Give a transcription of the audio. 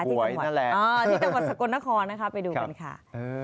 ที่จังหวัดสกลนครนะคะไปดูกันค่ะ